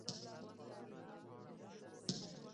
همدارنګه د هند د مغولو د زمانې شواهد هم شته.